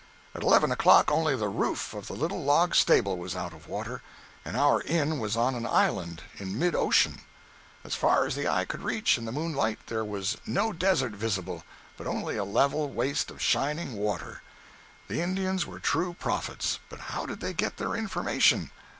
At eleven o'clock only the roof of the little log stable was out of water, and our inn was on an island in mid ocean. As far as the eye could reach, in the moonlight, there was no desert visible, but only a level waste of shining water. The Indians were true prophets, but how did they get their information?